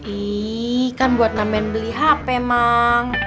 ih kan buat namen beli hp memang